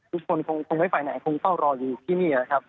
ทุกคนคงไม่ไปไหนคงต้องรออยู่ที่นี้